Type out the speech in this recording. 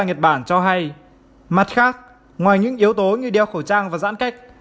nhật bản cho hay mặt khác ngoài những yếu tố như đeo khẩu trang và giãn cách